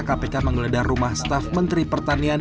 kpk menggeledah rumah staf menteri pertanian